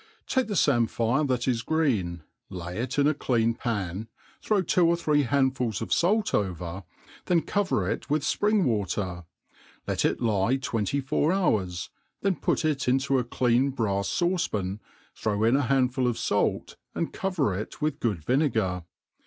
TAKE the famphire that is green, lay it in a clean pan, throw two or three handfuls of fait over, then cover it with fpring water. Let it lie twenty*four hours, then put it into a clean brafs fauce pao, throw in a handful of fair, and cover it with good vinegar.